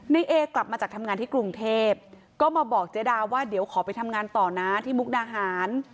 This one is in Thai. เอกลับมาจากทำงานที่กรุงเทพก็มาบอกเจ๊ดาว่าเดี๋ยวขอไปทำงานต่อนะที่มุกดาหาร